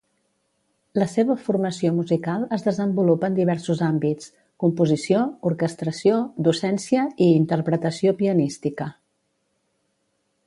La seva formació musical es desenvolupa en diversos àmbits: composició, orquestració, docència i interpretació pianística.